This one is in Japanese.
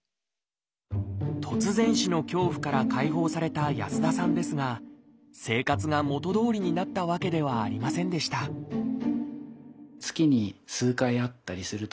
突然死の恐怖から解放された安田さんですが生活が元どおりになったわけではありませんでした何をしてもなんとか発作を抑えたいと